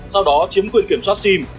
sau đó chiếm quyền kiểm soát sim